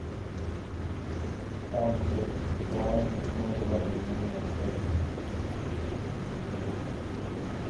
Mindset's design was modular in many aspects.